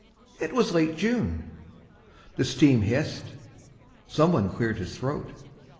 It was late June. The steam hissed. Someone cleared his throat.